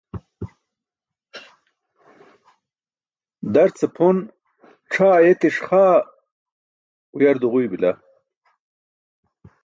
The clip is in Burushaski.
Darce pʰon c̣ʰaa ayeetiṣ xaa uyar duġuybila.